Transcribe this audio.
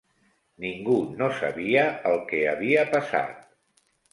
Ningú no sabia el que havia passat.